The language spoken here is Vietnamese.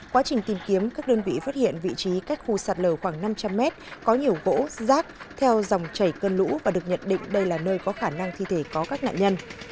quá trình tìm kiếm các đơn vị phát hiện vị trí các khu sạt lở khoảng năm trăm linh mét có nhiều gỗ rác theo dòng chảy cơn lũ và được nhận định đây là nơi có khả năng thi thể có các nạn nhân